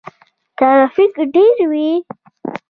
ترافیک ډیر وي.